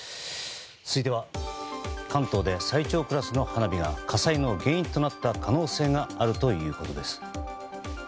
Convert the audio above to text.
続いては関東で最長クラスの花火が火災の原因となった可能性があるということです。